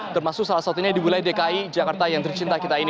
termasuk salah satunya di wilayah dki jakarta yang tercinta kita ini